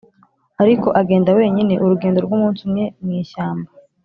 Ariko agenda wenyine urugendo rw’umunsi umwe mu ishyamba